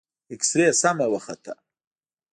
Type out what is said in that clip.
اكسرې سمه وخته.